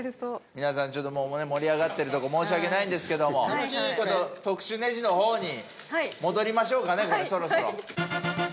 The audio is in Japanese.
皆さんちょっと盛り上がってるとこ申し訳ないんですけども特殊ネジの方に戻りましょうかねそろそろ。